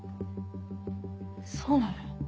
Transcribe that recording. そうなの？